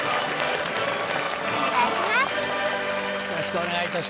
お願いします。